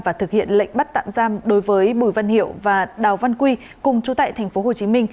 và thực hiện lệnh bắt tạm giam đối với bùi văn hiệu và đào văn quy cùng chú tại tp hcm